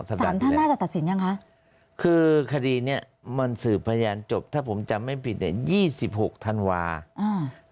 สารท่านน่าจะตัดสินยังคะคือคดีเนี้ยมันสืบพยานจบถ้าผมจำไม่ผิดเนี่ยยี่สิบหกธันวาอ่า